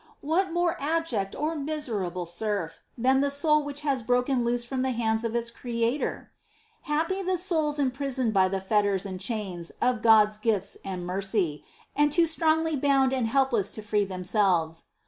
What more abject or miserable serf than the soul which has broken loose from the hands of its Creator ? 7. Happy the souls imprisoned by the fetters and chains of God's gifts and mercy, and too strongly bound and helpless to free themselves.